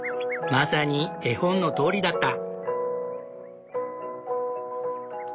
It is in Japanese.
まさに絵本のとおりだった。